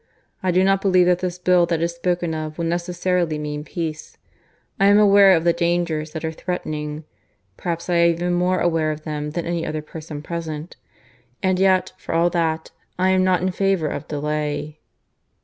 I do not believe that this Bill that is spoken of will necessarily mean peace. I am aware of the dangers that are threatening; perhaps I am even more aware of them than any other person present. And yet, for all that, I am not in favour of delay."